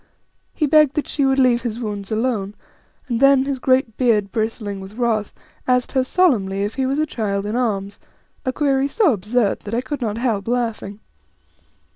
He begged that she would leave his wounds alone, and then, his great beard bristling with wrath, asked her solmenly if he was a child in arms, a query so absurd that I could not help laughing.